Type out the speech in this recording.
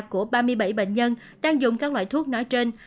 của ba mươi bảy bệnh nhân đang dùng các loại thuốc nói trên